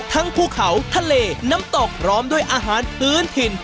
ภูเขาทะเลน้ำตกพร้อมด้วยอาหารพื้นถิ่น